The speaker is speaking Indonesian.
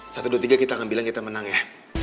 satu dua tiga kita akan bilang kita menang ya